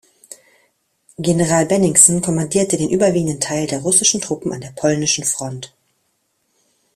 General Bennigsen kommandierte den überwiegenden Teil der russischen Truppen an der polnischen Front.